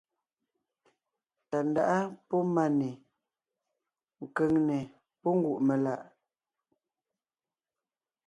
Tàndáʼa pɔ́ Máne; Kʉ̀ŋne pɔ́ Ngùʼmelaʼ.